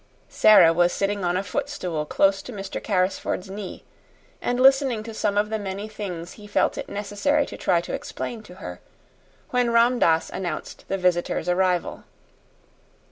Sara was sitting on a footstool close to Mr. Carrisford's knee, and listening to some of the many things he felt it necessary to try to explain to her, when Ram Dass announced the visitor's arrival.